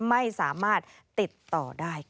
ไม่สามารถติดต่อได้ค่ะ